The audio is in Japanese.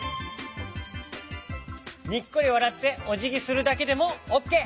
にっこりわらっておじぎするだけでもオッケー！